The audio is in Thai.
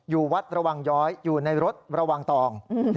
อยู่วัดระวังย้อยอยู่ในรถระวังตอง